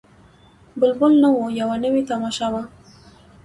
بلبل نه وو یوه نوې تماشه وه